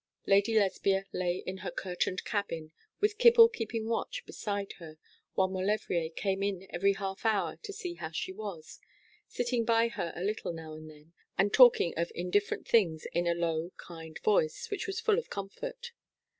Lady Lesbia lay in her curtained cabin, with Kibble keeping watch beside her bed, while Maulevrier came in every half hour to see how she was sitting by her a little now and then, and talking of indifferent things in a low kind voice, which was full of comfort.